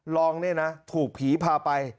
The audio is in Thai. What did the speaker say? รองเนี่ยนะถูกผีพาไป